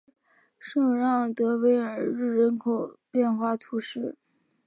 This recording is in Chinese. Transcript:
圣让德韦尔日人口变化图示